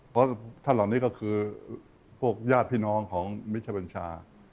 เพราะท่านเหล่านี้ก็คือพวกญาติพี่น้องของมิชบัญชา